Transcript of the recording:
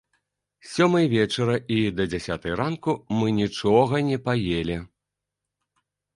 З сёмай вечара і да дзясятай ранку мы нічога не паелі.